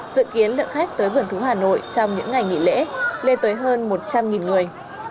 dự kiến lượng khách tới vườn thú hà nội trong những ngày nghỉ lễ lên tới hơn một trăm linh người